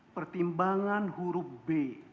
pertimbangan huruf b